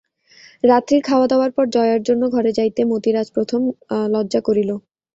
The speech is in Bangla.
রাত্রির খাওয়াদাওয়ার পর জয়ার জন্য ঘরে যাইতে মতির আজ প্রথম লজ্জা করিল।